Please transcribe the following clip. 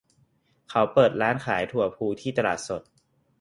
เขาเปิดร้านขายถั่วพูที่ตลาดสด